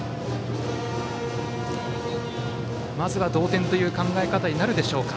まずは同点という考え方になるでしょうか。